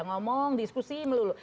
ngomong diskusi melulu